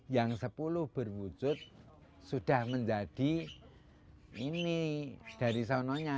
yang sepuluh berwujud sudah menjadi ini dari sononya